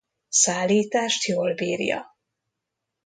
Szállítást jól bírja.